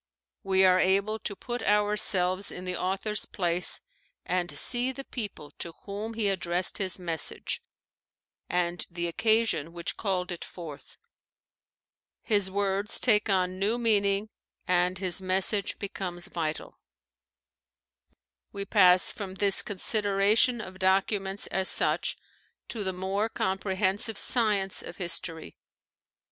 We are able to put ourselves in the author's place and see the people to whom he addressed his message and the occasion which called it forth. His words take on new meaning, and his message becomes vital. OLD TESTAMENT AND RELIGION OF ISRAEL 85 We pass from this consideration of documents as such to the more comprehensive science of history.